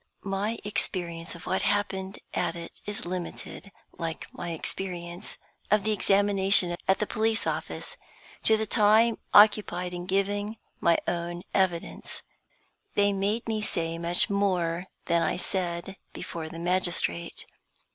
My experience of what happened at it is limited, like my experience of the examination at the police office, to the time occupied in giving my own evidence. They made me say much more than I said before the magistrate.